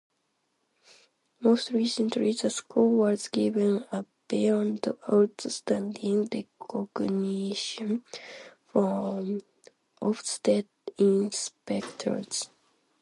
Most recently, the school was given a "Beyond Outstanding" recognition from Ofsted inspectors.